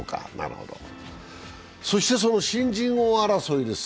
そしてその新人王争いです。